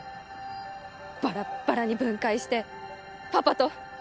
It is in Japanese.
バラッバラに分解してパパとママの。